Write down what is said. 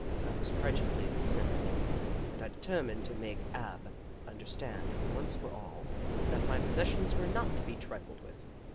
I was righteously incensed, and I determined to make Ab un derstand, once for all, that my possessions were not to be trifled with.